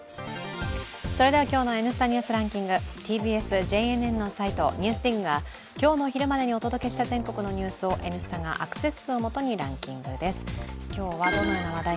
今日の「Ｎスタ・ニュースランキング」、ＴＢＳ・ＪＮＮのサイトＮＥＷＳＤＩＧが今日の昼までにお届けした全国のニュースを「Ｎスタ」がアクセス数をもとにランキングしました。